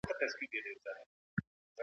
ایا نوي کروندګر ممیز اخلي؟